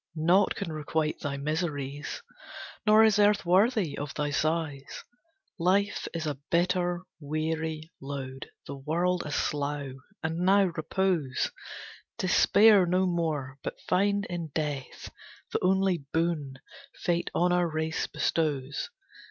Naught can requite thy miseries; Nor is earth worthy of thy sighs. Life is a bitter, weary load, The world a slough. And now, repose! Despair no more, but find in Death The only boon Fate on our race bestows!